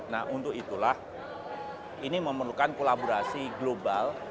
nah untuk itulah ini memerlukan kolaborasi global